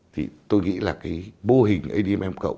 thì tôi nghĩ là cái bô hình adm